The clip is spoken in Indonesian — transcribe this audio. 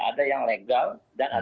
ada yang legal dan ada yang negatif